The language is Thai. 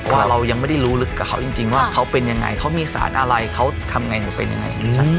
ว่าเรายังไม่ได้รู้ลึกกับเขาจริงว่าเขาเป็นยังไงเขามีสารอะไรเขาทำไงหนูเป็นยังไง